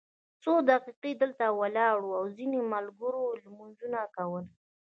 څو دقیقې دلته ولاړ وو او ځینو ملګرو لمونځونه کول.